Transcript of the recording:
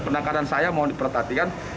pendangkanan saya mau dipertahankan